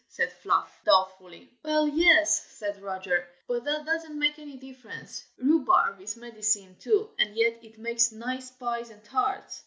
said Fluff, doubtfully. "Well, yes!" said Roger; "but that doesn't make any difference. Rhubarb is medicine, too, and yet it makes nice pies and tarts."